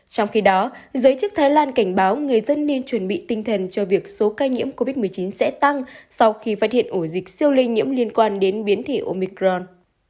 trong khi đó giới chức thái lan cảnh báo người dân nên chuẩn bị tinh thần cho việc số ca nhiễm covid một mươi chín sẽ tăng sau khi phát hiện ổ dịch siêu lây nhiễm liên quan đến biến thể omicron